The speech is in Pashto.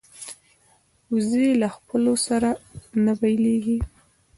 وزې له خپلو سره نه بیلېږي